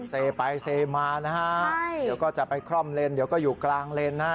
เซไปเซมานะฮะเดี๋ยวก็จะไปคล่อมเลนเดี๋ยวก็อยู่กลางเลนนะฮะ